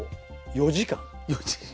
４時間。